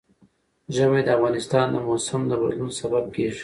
ژمی د افغانستان د موسم د بدلون سبب کېږي.